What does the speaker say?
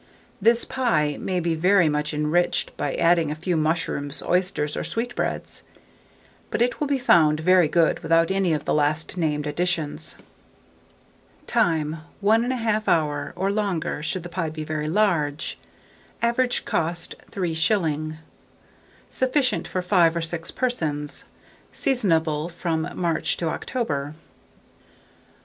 This pie may be very much enriched by adding a few mushrooms, oysters, or sweetbreads; but it will be found very good without any of the last named additions. Time. 1 1/2 hour, or longer, should the pie be very large. Average cost, 3s. Sufficient for 5 or 6 persons. Seasonable from March to October.